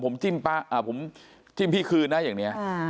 ผมจิ้มป๊าอ่าผมจิ้มพี่คืนนะอย่างเงี้ยอ่า